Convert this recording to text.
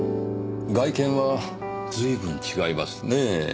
外見は随分違いますね。